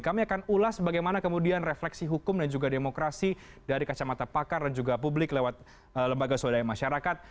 kami akan ulas bagaimana kemudian refleksi hukum dan juga demokrasi dari kacamata pakar dan juga publik lewat lembaga swadaya masyarakat